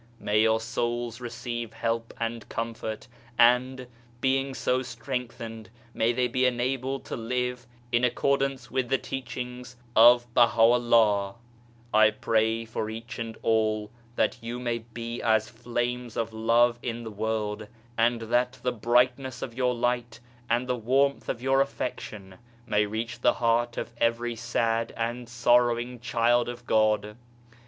May your souls receive help and comfort, and, being so strengthened, may they be enabled to live in accord ance with the teachings of Baha'u'llah. I pray for each and all that you may be as flames of love in the world, and that the brightness of your light and the warmth of your affection may reach the heart of every sad and sorrowing child of God.